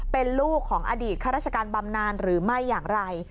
เป็นลูกของอดีตข้าราชการบำนานหรือไม่อย่างไร